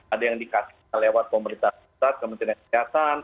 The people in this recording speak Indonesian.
ada yang dikasih lewat pemerintah kesehatan